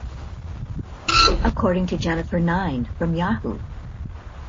According to Jennifer Nine from Yahoo!